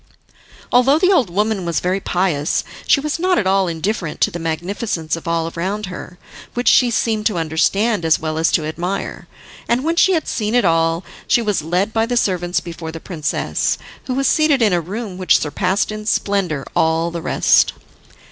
Although the old woman was very pious, she was not at all indifferent to the magnificence of all around her, which she seemed to understand as well as to admire, and when she had seen it all she was led by the servants before the princess, who was seated in a room which surpassed in splendour all the rest.